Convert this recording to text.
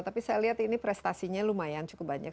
tapi saya lihat ini prestasinya lumayan cukup banyak